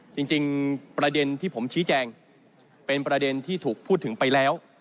จริงประเด็นที่ผมชี้แจงเป็นประเด็นที่ถูกพูดถึงไปแล้ว